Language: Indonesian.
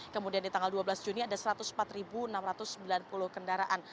kemudian di tanggal dua belas juni ada satu ratus empat enam ratus sembilan puluh kendaraan